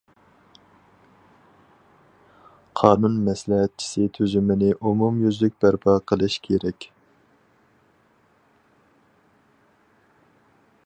قانۇن مەسلىھەتچىسى تۈزۈمىنى ئومۇميۈزلۈك بەرپا قىلىش كېرەك.